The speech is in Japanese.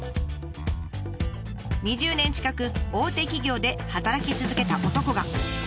２０年近く大手企業で働き続けた男が。